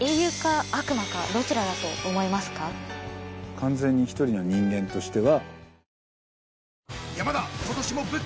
完全に１人の人間としては。